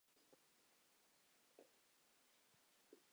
死后其子摩醯逻矩罗即位。